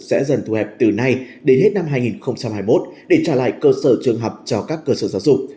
sẽ dần thu hẹp từ nay đến hết năm hai nghìn hai mươi một để trả lại cơ sở trường học cho các cơ sở giáo dục